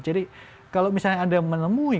jadi kalau misalnya anda menemui